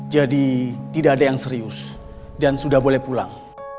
jadi tidak ada yang serius dan sudah boleh pulang